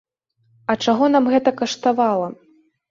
А чаго нам гэта каштавала?